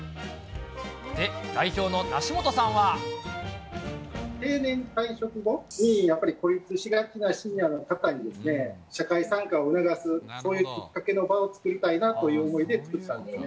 で、定年退職後にやっぱり孤立しがちなシニアの方にですね、社会参加を促す、そういうきっかけの場を作りたいなという思いで作ったんですよね。